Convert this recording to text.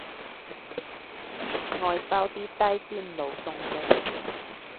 外包啲低端勞動力